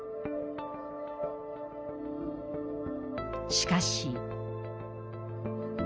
しかし。